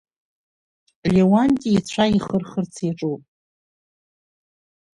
Леуанти ицәа ихырхырц иаҿуп.